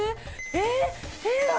えっ？